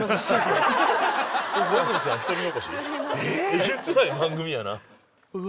えげつない番組やな。